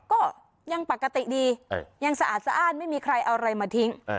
ก็ยังปกติดียังสะอาดสะอ้านไม่มีใครเอาอะไรมาทิ้ง